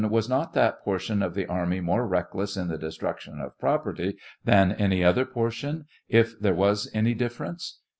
Was not that portion of the army more reckless in the destruction of property than any other portion, if there was any difference